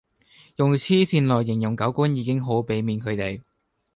用痴線來形容狗官已經好比面佢地